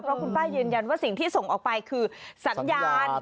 เพราะคุณป้ายืนยันว่าสิ่งที่ส่งออกไปคือสัญญาณ